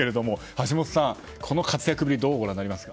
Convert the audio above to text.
橋下さん、この活躍どうご覧になりますか。